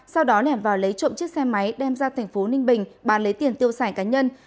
sau đó nèm vào lấy trộm chiếc xe máy đem ra tp ninh bình bán lấy tiền tiêu sải cá nhân